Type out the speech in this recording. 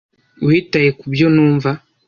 witaye kubyo numva.